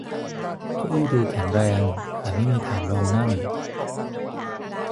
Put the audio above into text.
เก้าอี้ดูแข็งแรงแต่ไม่มีฐานรองนั่ง